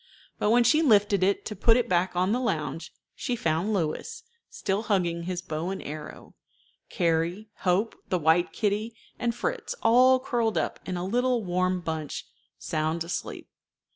But when she lifted it to put it back on the lounge, she found Louis, still hugging his bow and arrow, Carrie, Hope, the white kitty, and Fritz, all curled up in a little warm bunch, sound asleep.